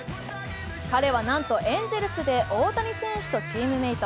彼はなんとエンゼルスで大谷選手とチームメート。